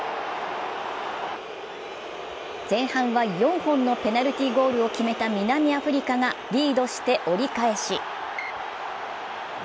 前半は４本のペナルティゴールを決めた南アフリカがリードして折り返し。